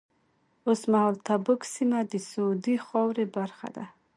اوس مهال تبوک سیمه د سعودي خاورې برخه ده.